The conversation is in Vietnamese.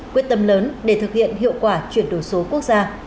quyết tâm lớn để thực hiện hiệu quả chuyển đổi số quốc gia